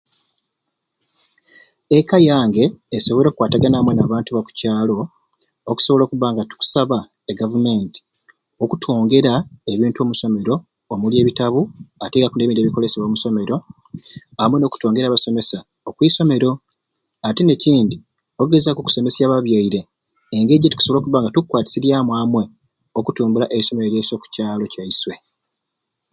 Ekka yange esobwore okwatagana amwei nabantu ba kukyalo okusobola okuba nga tukusaba e government okutwongera ebintu omu somero omuli ebitabu tekaku nebindi ebikolesebwa omu somero amwei nokutwongera abasomesa okwisomero ate nekyindi okugezaku okusomesya ababyere engeri gyetukusobola okuba nga tukukwatisiryamu amwei okutumbula eisomero lyaswei oku kyalo kyaiswe